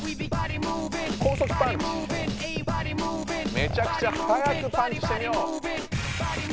めちゃくちゃはやくパンチしてみよう。